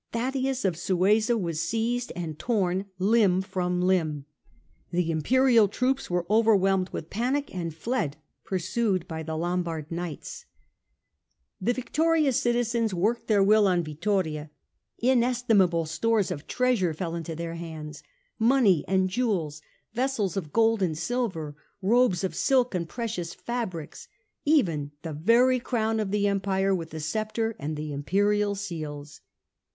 Thaddaeus of Suessa was seized and torn limb from limb. The Imperial troops were over whelmed with panic and fled, pursued by the Lombard knights. 262 STUPOR MUNDI The victorious citizens worked their will on Vittoria. Inestimable stores of treasure fell into their hands, money and jewels, vessels of gold and silver, robes of silk and precious fabrics ; even the very Crown of the Empire, with the Sceptre and the Imperial seals.